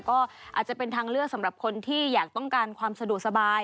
ก็อาจจะเป็นทางเลือกสำหรับคนที่อยากต้องการความสะดวกสบาย